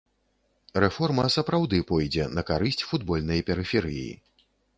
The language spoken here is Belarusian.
Рэформа сапраўды пойдзе на карысць футбольнай перыферыі.